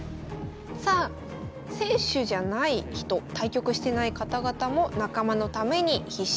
さあ選手じゃない人対局してない方々も仲間のために必死に戦います。